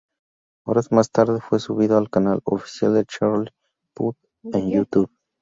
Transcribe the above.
Horas más tarde fue subido al canal oficial de Charlie Puth en YouTube.